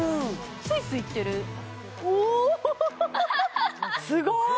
スイスイいってるすごい！